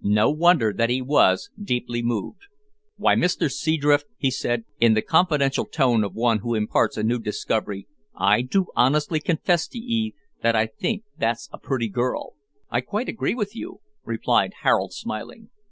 No wonder that he was deeply moved. "Why, Mister Seadrift," he said, in the confidential tone of one who imparts a new discovery, "I do honestly confess to 'ee that I think that's a pretty girl!" "I quite agree with you," replied Harold, smiling.